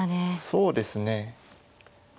そうですね。